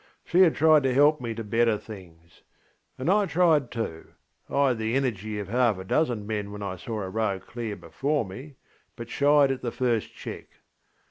She had tried to help me to better things. And I tried tooŌĆöI had the energy of half a dozen men when I saw a road clear before me, but shied at the first check.